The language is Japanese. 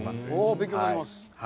勉強になります。